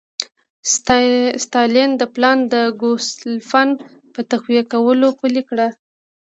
ستالین دا پلان د ګوسپلن په تقویه کولو پلی کړ